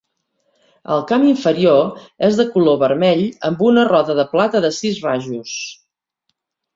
El camp inferior és de color vermell amb una roda de plata de sis rajos.